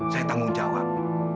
saya tanggung jawab